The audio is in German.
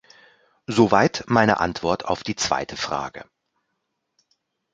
Soweit meine Antwort auf die zweite Frage.